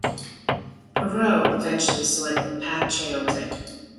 Perot eventually selected Pat Choate.